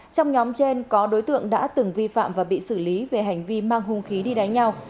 trong nhóm trên có đối tượng đã từng vi phạm và bị xử lý về hành vi mang hung khí đi đánh nhau